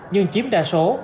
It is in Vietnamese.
nhưng chiếm đa số